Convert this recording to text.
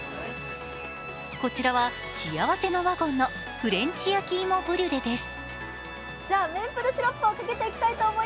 こちらはしあわせのわごんのフレンチ焼き芋ブリュレです。